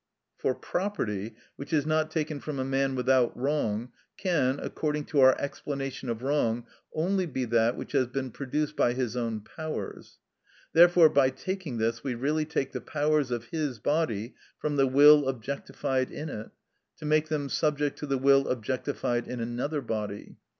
For property, which is not taken from a man without wrong, can, according to our explanation of wrong, only be that which has been produced by his own powers. Therefore by taking this we really take the powers of his body from the will objectified in it, to make them subject to the will objectified in another body.